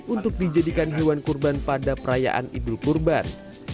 untuk dijadikan hewan kurban pada perayaan idul kurban